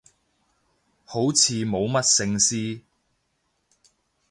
好似冇乜聖詩